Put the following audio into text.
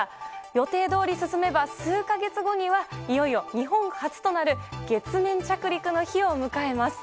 予定どおり進めば、数か月後には、いよいよ日本初となる月面着陸の日を迎えます。